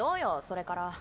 それから。